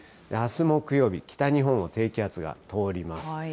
あす木曜日、北日本を低気圧が通ります。